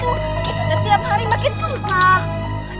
kita tiap hari makin susah